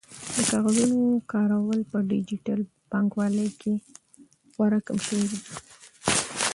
د کاغذونو کارول په ډیجیټل بانکوالۍ کې خورا کم شوي دي.